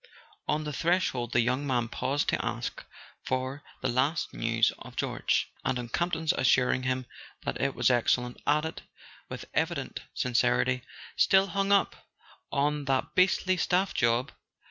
On the threshold the young man paused to ask for the last news of George; and on Campton's assuring him that it was excellent, added, with evident sin¬ cerity: "Still hung up on that beastly staff job?